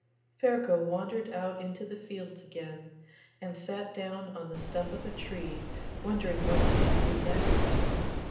Ferko wandered out into the fields again, and sat down on the stump of a tree wondering what he should do next.